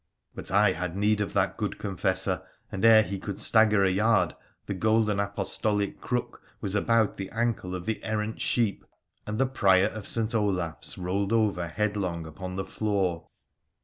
But I had need of that good confessor, and ere he could stagger a yard the golden apostolic crook was about the ankle of the errant sheep, and the Prior of St. Olaf 's rolled over headlong upon the floor.